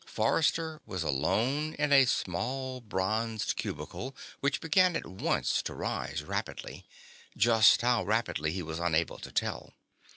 Forrester was alone in a small bronzed cubicle which began at once to rise rapidly. Just how rapidly, he was unable to tell.